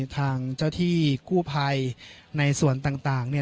ทางเจ้าที่กู้ภัยในส่วนต่าง